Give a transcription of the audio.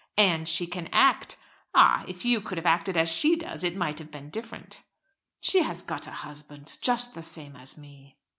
"And she can act. Ah! if you could have acted as she does, it might have been different." "She has got a husband just the same as me."